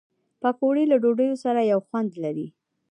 پکورې له ډوډۍ سره یو خوند لري